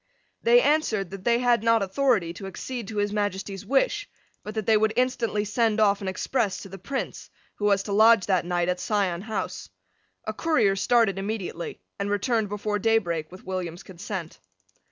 They answered that they had not authority to accede to His Majesty's wish, but that they would instantly send off an express to the Prince, who was to lodge that night at Sion House. A courier started immediately, and returned before daybreak with William's consent.